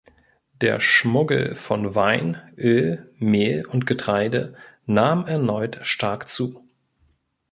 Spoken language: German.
Der Schmuggel von Wein, Öl, Mehl und Getreide nahm erneut stark zu.